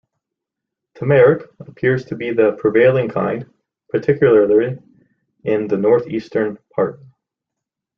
Tamarack appears to be the prevailing kind, particularly in the North-eastern part.